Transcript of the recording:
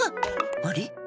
あれ？